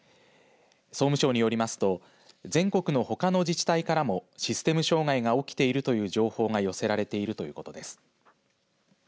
総務省によりますと全国のほかの自治体からもシステム障害が起きているという情報が寄せられているということです。